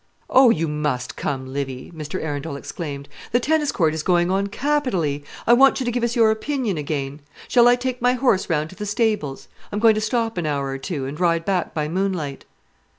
"Oh, you must come, Livy," Mr. Arundel exclaimed. "The tennis court is going on capitally. I want you to give us your opinion again. Shall I take my horse round to the stables? I am going to stop an hour or two, and ride back by moonlight."